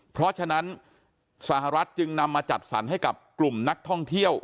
เพราะฉะนั้นสหรัฐจึงนำมาจัดสรรให้กับกลุ่มนักท่องเที่ยว